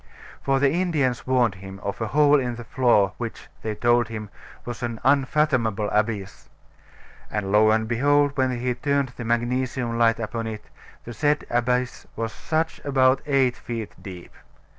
For the Indians warned him of a hole in the floor which (they told him) was an unfathomable abyss. And lo and behold, when he turned the magnesium light upon it, the said abyss was just about eight feet deep.